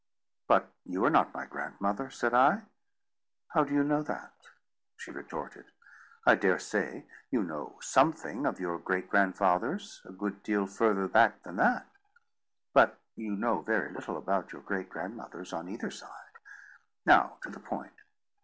"But you are not my grandmother," said I. "How do you know that?" she retorted. "I dare say you know something of your great grandfathers a good deal further back than that; but you know very little about your great grandmothers on either side. Now, to the point.